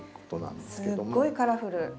すごいカラフル！